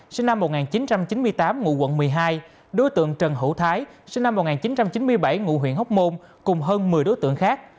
sinh năm một nghìn chín trăm chín mươi tám ngụ quận một mươi hai đối tượng trần hữu thái sinh năm một nghìn chín trăm chín mươi bảy ngụ huyện hóc môn cùng hơn một mươi đối tượng khác